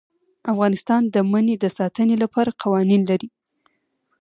افغانستان د منی د ساتنې لپاره قوانین لري.